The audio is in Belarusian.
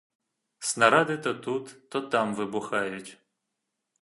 Снарады то тут, то там выбухаюць.